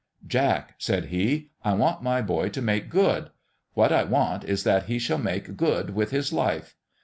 " Jack," said he, " I want my boy to make good. What I want is that he shall make good with his life.